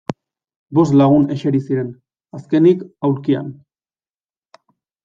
Bost lagun eseri ziren, azkenik, aulkian.